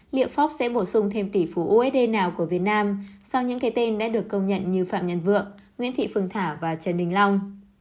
liệu pháp sẽ bổ sung thêm tỷ phú usd nào của việt nam sau những cái tên đã được công nhận như phạm nhân vượng nguyễn thị phương thảo và trần đình long